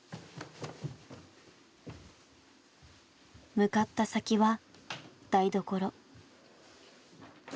向かった先は台所。